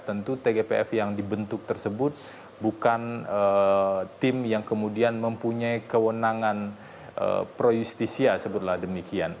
tentu tgpf yang dibentuk tersebut bukan tim yang kemudian mempunyai kewenangan pro justisia sebutlah demikian